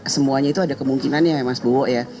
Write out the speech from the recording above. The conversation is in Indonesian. semuanya itu ada kemungkinannya ya mas bowo ya